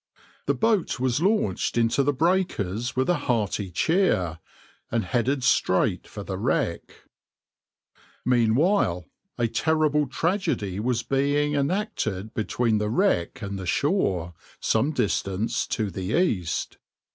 The boat was launched into the breakers with a hearty cheer, and headed straight for the wreck.\par Meanwhile a terrible tragedy was being enacted between the wreck and the shore, some distance to the east.